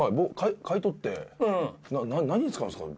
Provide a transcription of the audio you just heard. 買い取って何に使うんですか？